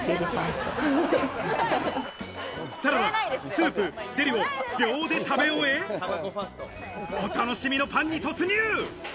サラダ、スープ、デリも秒で食べ終え、お楽しみのパンに突入！